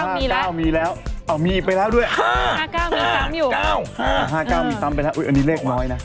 ๕๙มีแล้ว๕๙มีแล้วมีไปแล้วด้วย๕๕๙มีตัมป์อยู่๕๕๙มีตัมป์ไปแล้วอุ๊ยอันนี้เลขม้อยนะ